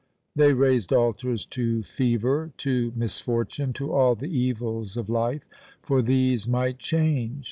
They raised altars to Fever, to Misfortune, to all the evils of life; for these might change!